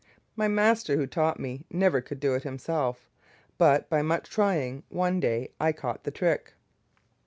My master who taught me never could do it himself, but by much trying one day I caught the trick.